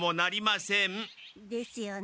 ですよね。